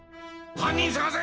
犯人捜せ！